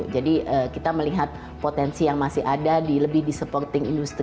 jadi kita melihat potensi yang masih ada di lebih di supporting industry